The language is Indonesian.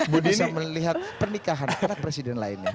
budi bisa melihat pernikahan anak presiden lainnya